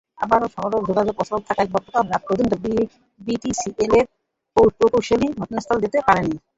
অবরোধে সড়ক যোগাযোগ অচল থাকায় গতকাল রাত পর্যন্ত বিটিসিএলের প্রকৌশলীরা ঘটনাস্থলে যেতে পারেননি।